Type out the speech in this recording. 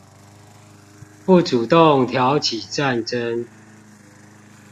不主動挑起戰爭